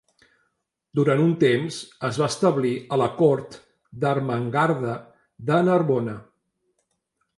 Durant un temps es va establir a la cort d'Ermengarda de Narbona.